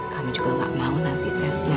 kami juga gak mau nanti nenek jadi gak tenang